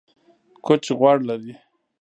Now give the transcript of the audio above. کوچ غوړ لري